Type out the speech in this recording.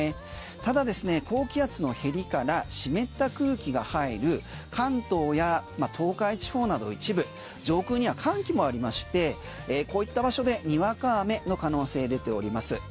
ただですね、高気圧のへりから湿った空気が入る関東や東海地方など一部、上空には寒気もありましてこういった場所で、にわか雨の可能性、出ております。